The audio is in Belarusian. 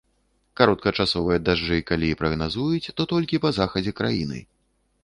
Кароткачасовыя дажджы калі і прагназуюць, то толькі па захадзе краіны.